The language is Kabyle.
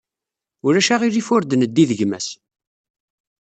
Ulac aɣilif ur-d neddi d gma-s.